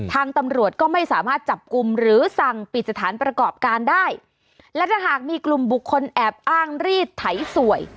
ทางตำรวจก็ไม่สามารถจับกลุ่มหรือสั่งปิดสถานประกอบการได้และถ้าหากมีกลุ่มบุคคลแอบอ้างรีดไถสวย